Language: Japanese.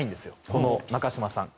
この中嶋さん。